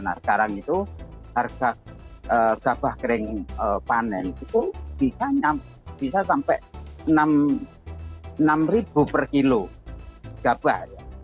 nah sekarang itu harga gabah kering panen itu bisa sampai enam per kilo gabah